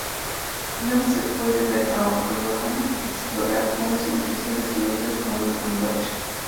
Luego se puede ver a O'Riordan explorar unos edificios destruidos con una antorcha.